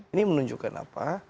ini menunjukkan apa